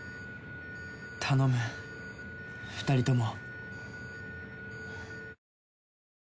頼む２人とも。